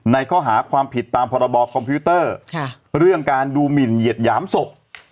ในข้อหาความผิดตามพรบคอมพิวเตอร์เรื่องการดูหมินเหยียดหยามศพ